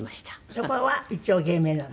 そこは一応芸名なの？